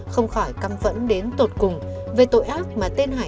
không khỏi căm phẫn đến tột cùng về tội ác mà tên hải